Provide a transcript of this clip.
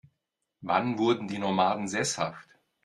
Wann wurden die Nomaden sesshaft?